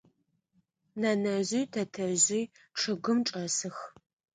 Нэнэжъи тэтэжъи чъыгым чӏэсых.